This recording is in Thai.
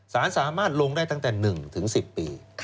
สารสามารถลงได้ตั้งแต่๑๑๐ปี